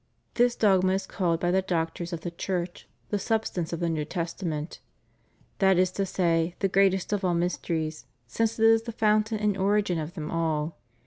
This dogma is called by the Doctors of the Church "the substance of the New Testament," that is to say, the greatest of all mysteries, since it is the fountain and origin of them all.